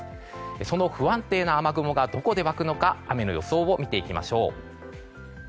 その不安定な雨雲がどこで湧くのか雨の予想を見ていきましょう。